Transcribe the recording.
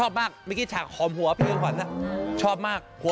ทำไมกูหอมเมื่อข่าวโชว์